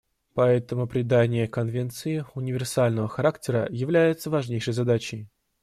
Поэтому придание Конвенции универсального характера является важнейшей задачей.